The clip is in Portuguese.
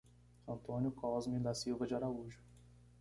Antônio Cosme da Silva de Araújo